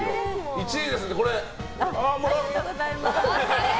１番ですので、これ。